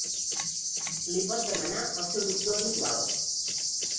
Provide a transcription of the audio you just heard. Li pot demanar al seu doctor habitual.